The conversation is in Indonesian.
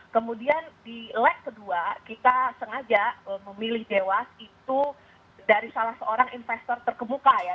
kemudian di lag kedua kita sengaja memilih dewas itu dari salah seorang investor terkemuka ya